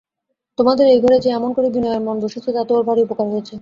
তোমাদের এই ঘরে যে এমন করে বিনয়ের মন বসেছে তাতে ওর ভারি উপকার হয়েছে।